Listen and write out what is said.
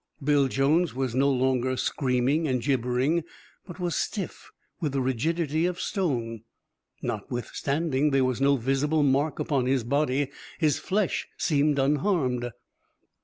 Bill Jones was no longer screaming and gibbering, but was stiff with the rigidity of stone. Notwithstanding, there was no visible mark upon his body; his flesh seemed unharmed.